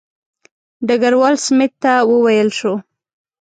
ډګروال سمیت ته وویل شو.